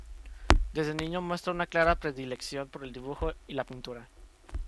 Desde niño muestra una clara predilección por el dibujo y la pintura.